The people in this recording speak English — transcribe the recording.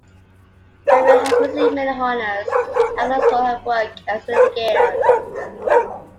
Hermle has received many honors and accolades for her work as a litigator.